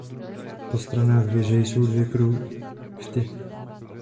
Po stranách věže jsou dvě kruchty.